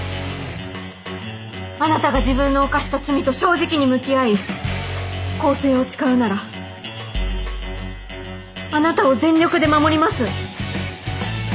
あなたが自分の犯した罪と正直に向き合い更生を誓うならあなたを全力で守ります。